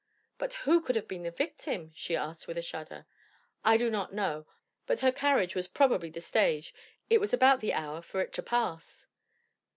"But who could have been the victim?" she asked with a shudder. "I do not know. But her carriage was probably the stage: it was about the hour for it to pass."